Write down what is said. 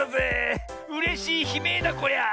うれしいひめいだこりゃ。